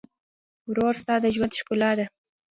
ورور ستا د ژوند ښکلا ده.